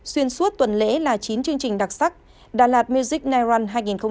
xuyên suốt tuần lễ là chín chương trình đặc sắc đà lạt music nairon hai nghìn hai mươi bốn